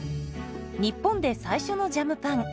日本で最初のジャムパン。